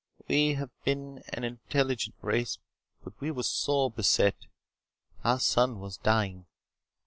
We have been an intelligent race, but we were sore beset. Our sun was dying.